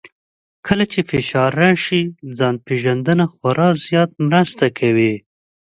کله چې فشار راشي، ځان پېژندنه خورا زیاته مرسته کوي.